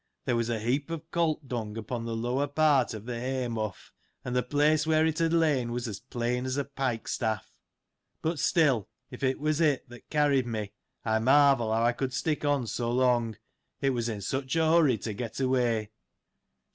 There was a heap of colt dung upon the lower part of the hay mough ; and the place where it had lain was as plain as a pike staff. But still, if it was it, that carried me, I mai vel how I could stick on so long, it was in such a hurry to get away.